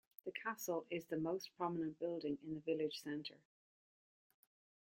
The Castle is the most prominent building at the village centre.